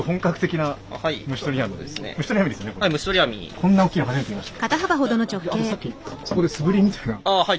こんな大きいの初めて見ました。